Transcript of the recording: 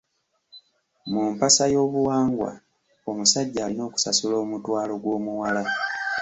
Mu mpasa y'obuwangwa, omusajja alina okusasula omutwalo gw'omuwala.